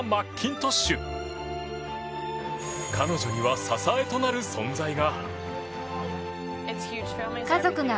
彼女には支えとなる存在が。